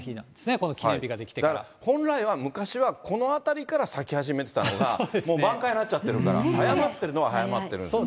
この記念本来は、昔は、この辺りから咲き始めてたのが、もう満開になっちゃってるから、早まってるのは早まってるんですね。